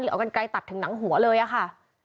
เอากันไกลตัดถึงหนังหัวเลยอะค่ะ